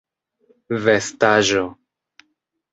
vestaĵo